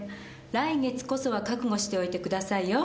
来月こそは覚悟しておいてくださいよ。